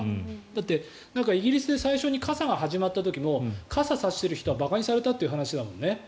だって、イギリスで最初に傘が始まった時も傘を差してる人は馬鹿にされたって話だもんね。